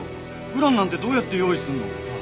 ウランなんてどうやって用意するの？